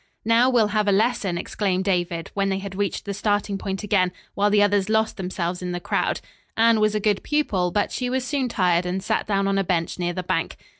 "Now, we'll have a lesson," exclaimed David when they had reached the starting point again, while the others lost themselves in the crowd. Anne was a good pupil, but she was soon tired and sat down on a bench near the bank.